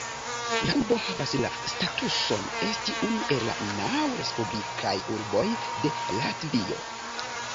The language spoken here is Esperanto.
La urbo havas la statuson esti unu el la naŭ "respublikaj urboj de Latvio".